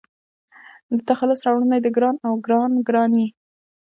د تخلص راوړنه يې د --ګران--او --ګرانه ګراني